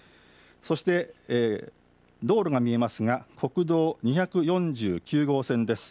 そして道路が見えますが国道２４９号線です。